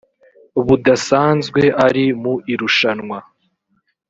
budasanzwe ari mu irushanwa